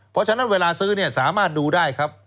เพราะฉะนั้นเวลาซื้อเนี่ยสามารถดูได้ครับ